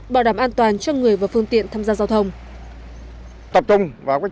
bảo đảm an toàn cho người và phương tiện tham gia giao thông